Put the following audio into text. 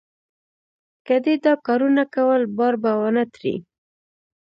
که دې دا کارونه کول؛ بار به و نه تړې.